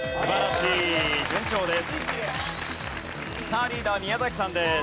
さあリーダー宮崎さんです。